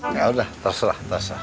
ya udah terserah